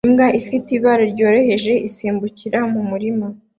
Imbwa ifite ibara ryoroheje isimbukira mu murima